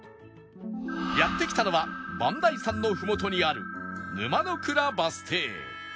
やって来たのは磐梯山のふもとにある沼の倉バス停